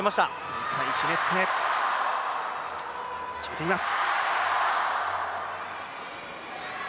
１回ひねって、決めています。